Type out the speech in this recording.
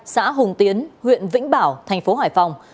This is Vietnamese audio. xã hùng tiến huyện vĩnh bảo thành phố hải phòng